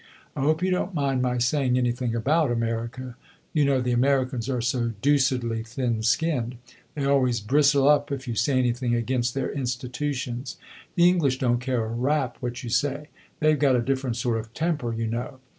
I hope you don't mind my saying anything about America? You know the Americans are so deucedly thin skinned they always bristle up if you say anything against their institutions. The English don't care a rap what you say they 've got a different sort of temper, you know.